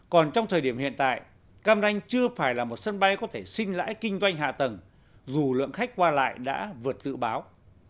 còn trong thời điểm hiện tại cam ranh chưa phải là một sân bay có thể sinh lãi kinh doanh hạ tầng dù lượng khách qua lại đã vượt tự báo